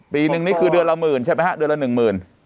ปีนึงนี่คือเดือนละหมื่นใช่ไหมฮะเดือนละหนึ่งหมื่น